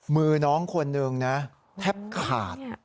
มือน้องคนหนึ่งนะแทบขาด